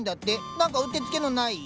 何かうってつけのない？